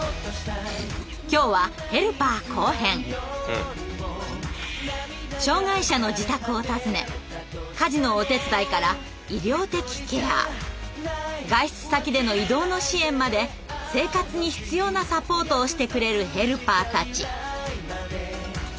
今日は障害者の自宅を訪ね家事のお手伝いから医療的ケア外出先での移動の支援まで生活に必要なサポートをしてくれるヘルパーたち。